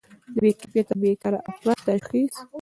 د بې کفایته او بیکاره افرادو تشخیص.